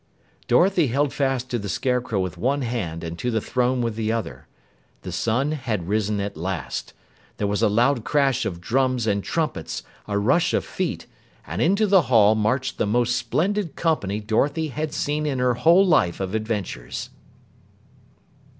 Dorothy held fast to the Scarecrow with one hand and to the throne with the other. The sun had risen at last. There was a loud crash of drums and trumpets, a rush of feet, and into the hall marched the most splendid company Dorothy had seen in her whole life of adventures.